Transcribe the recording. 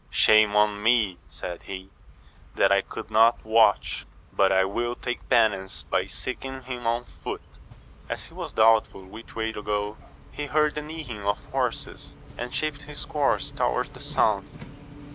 Shame on me, said he, that I could not watch ! but I will take penance by seeking him on foot. As he was doubtful which way to go, he heard the neighing of horses, and shaped his course towards the soimd.